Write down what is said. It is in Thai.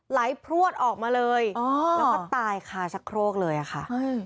พลวดออกมาเลยแล้วก็ตายคาชักโครกเลยอะค่ะ